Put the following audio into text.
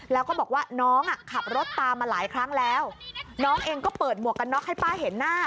แล้วก็บอกว่าน้องอ่ะขับรถตามมาหลายครั้งแล้วน้องเองก็เปิดหมวกกันน็อกให้ป้าเห็นหน้า